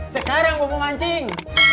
sekarang gue mau mancing